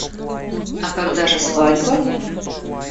А когда же свадьба?